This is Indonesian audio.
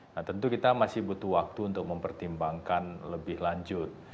nah tentu kita masih butuh waktu untuk mempertimbangkan lebih lanjut